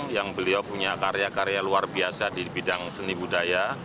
yang beliau punya karya karya luar biasa di bidang seni budaya